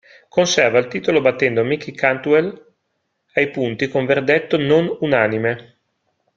Conserva il titolo battendo Mickey Cantwell ai punti con verdetto non unanime.